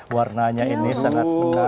warnanya ini sangat menarik